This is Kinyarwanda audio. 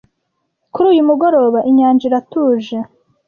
Kuri uyu mugoroba inyanja iratuje